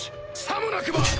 さもなくば！